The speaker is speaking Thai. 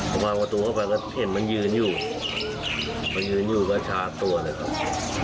พอวางประตูเข้าไปก็เห็นมันยืนอยู่มันยืนอยู่ก็ชาร์จตัวเลยครับ